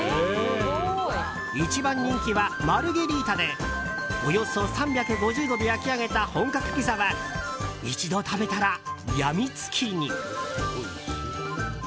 一番人気はマルゲリータでおよそ３５０度で焼き上げた本格ピザは一度食べたらやみつきに。